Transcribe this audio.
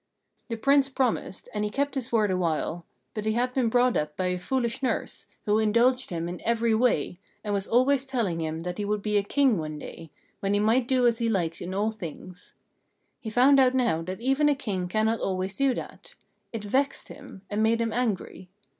The Prince promised, and kept his word awhile; but he had been brought up by a foolish nurse, who indulged him in every way, and was always telling him that he would be a King one day, when he might do as he liked in all things. He found out now that even a King cannot always do that; it vexed him, and made him angry.